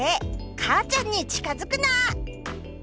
母ちゃんに近づくな！」。